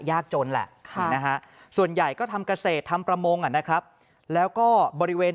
ยากจนแหละส่วนใหญ่ก็ทำเกษตรทำประมงนะครับแล้วก็บริเวณ